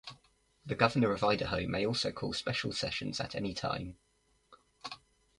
The Governor of Idaho may also call special sessions at any time.